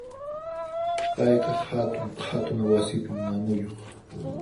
Payqa hatun qhatuna wasipi manuyuq.